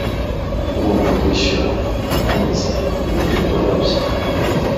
ugomba kwishyura akomeza ibikorwa bye